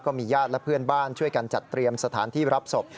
ญาติและเพื่อนบ้านช่วยกันจัดเตรียมสถานที่รับศพ